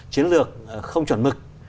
chiến lược không chuẩn mực